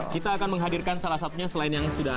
halo pemirsa selamat tinggal